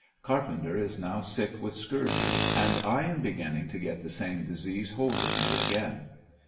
Carpenter is now sick with scurvy, and I am beginning to get the same disease hold of me again.